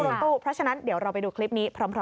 เพราะฉะนั้นเดี๋ยวเราไปดูคลิปนี้พร้อมกันค่ะ